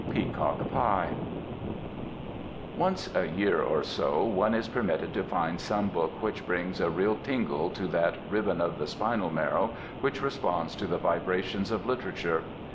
"PEACOCK PIE" Once a year or so one is permitted to find some book which brings a real tingle to that ribbon of the spinal marrow which responds to the vibrations of literature.